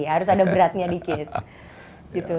harus ada beratnya dikit